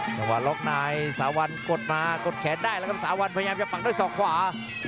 สาวนรกในสาวนกดมากดแขนได้แล้วครับสาวนพยายามจะปักด้วยส่อขวา